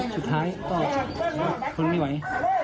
สุดท้ายก็ทนไม่ไหว